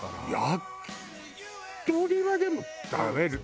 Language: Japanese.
焼き鳥はでも食べる。